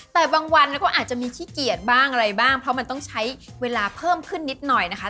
แต่บางวันก็อาจจะมีขี้เกียจบ้างอะไรบ้างเพราะมันต้องใช้เวลาเพิ่มขึ้นนิดหน่อยนะคะ